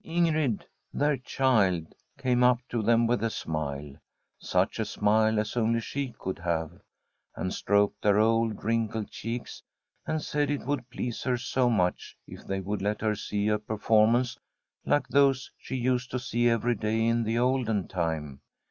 Ingrid, their ' child,' came up to them with a smile — such a smile as only she could have — and From a SWEDISH HOMESTEAD stroked their old, wrinkled cheeks, and said it would please her so much if they would let her see a performance like those she used to see every day in the olden time.